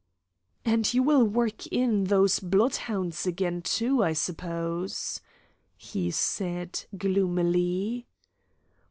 "And you will work in those bloodhounds again, too, I suppose," he said, gloomily.